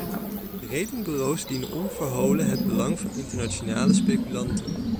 Ratingbureaus dienen onverholen het belang van internationale speculanten.